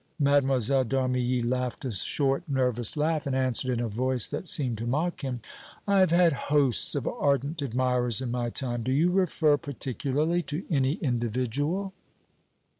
Mlle. d'Armilly laughed a short, nervous laugh, and answered in a voice that seemed to mock him: "I have had hosts of ardent admirers in my time. Do you refer particularly to any individual?"